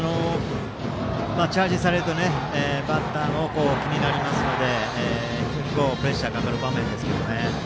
チャージされるとバッターも気になりますので非常にプレッシャーがかかる場面ですけどね。